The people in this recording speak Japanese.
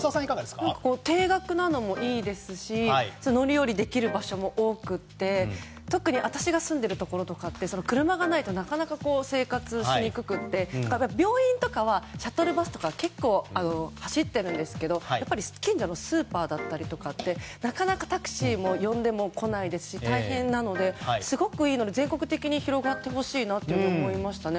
定額なのもいいですし乗り降りできる場所も多くて特に私が住んでるところは車がないとなかなか生活しにくくて病院とかはシャトルバスとか結構、走ってるんですけど近所のスーパーだったりはなかなかタクシーを呼んでも来ないですし大変なのでこれはすごくいいので全国的に広がってほしいなと思いましたね。